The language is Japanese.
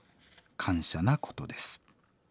感謝なことです」。